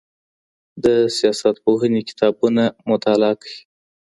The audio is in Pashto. د سياستپوهني کتابونه مطالعه کړی.